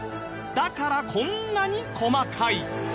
だからこんなに細かい。